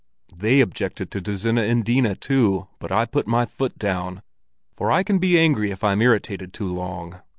They objected to Dozena Endina too, but I put my foot down; for I can be angry if I'm irritated too long.